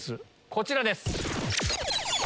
こちらです。